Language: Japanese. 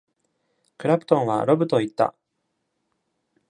クラプトンはロブと言った！